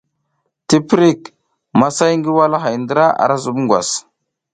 Tiptik, masay ngi walahay ndra ara zub ngwas.